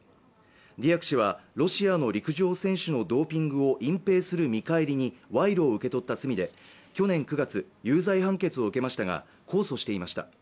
ディアク氏はロシアの陸上選手のドーピングを隠ぺいする見返りに賄賂を受け取った罪で去年９月有罪判決を受けましたが控訴していました